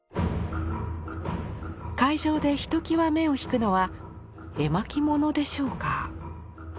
会場でひときわ目を引くのは絵巻物でしょうか？